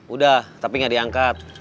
udah tapi nggak diangkat